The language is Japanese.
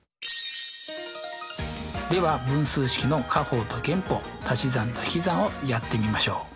では分数式の加法と減法たし算とひき算をやってみましょう。